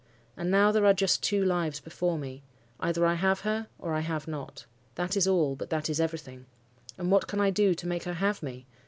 And now there are just two lives before me. Either I have her, or I have not. That is all: but that is everything. And what can I do to make her have me?